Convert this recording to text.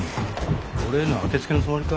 俺への当てつけのつもりか？